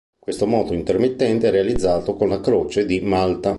Questo moto intermittente è realizzato con la croce di Malta.